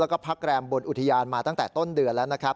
แล้วก็พักแรมบนอุทยานมาตั้งแต่ต้นเดือนแล้วนะครับ